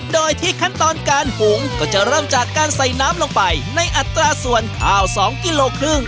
โดยที่ขั้นตอนการหุงก็จะเริ่มจากการใส่น้ำลงไปในอัตราส่วนข้าว๒กิโลครึ่ง